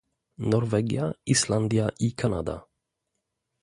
Norwegia, Islandia i Kanada